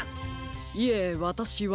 いえわたしは。